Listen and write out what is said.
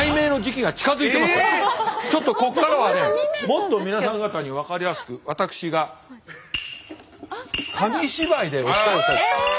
ちょっとここからはねもっと皆さん方に分かりやすく私が紙芝居でお伝えしたいと思います。